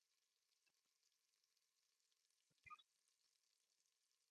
ikiwasilisha ukuaji wa asilimia arobaini na nne